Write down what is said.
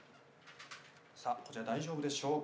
さあ大丈夫でしょうか？